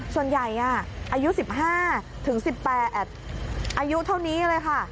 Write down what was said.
ส่วนใหญ่อายุ๑๕ถึง๑๘อายุเท่านี้เลยค่ะ